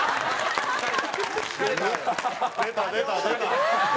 出た出た出た！